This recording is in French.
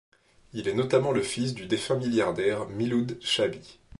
Il est notamment le fils du défunt milliardaire Miloud Chaâbi.